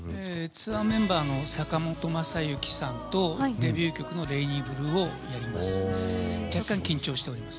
ツアーメンバーのさかもとまさゆきさんとデビュー曲の「レイニーブルー」をやります。